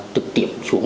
tực tiệp xuống